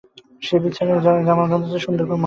সে বিচারে জামালগঞ্জ হচ্ছে সুন্দর বা মনোরম শহর।